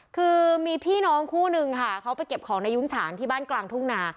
คือมีพี่น้องคู่นึงค่ะเขาไปเก็บของในยุ้งฉางที่บ้านกลางทุ่งนา